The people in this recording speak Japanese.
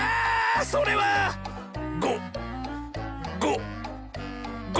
それはご！